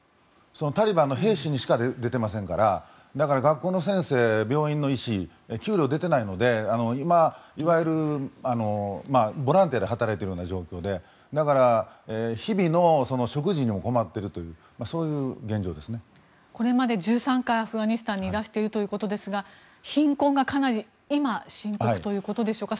タリバンの兵士にしか出ていませんからだから学校の先生、病院の医師給料、出てないので今、いわゆるボランティアで働いているような状況でだから、日々の食事にも困っているというこれまで１３回アフガニスタンにいらしているということですが貧困がかなり今、深刻ということでしょうか。